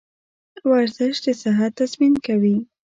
ورزش د صحت تضمین کوي.